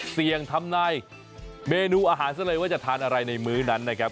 ทำนายเมนูอาหารซะเลยว่าจะทานอะไรในมื้อนั้นนะครับ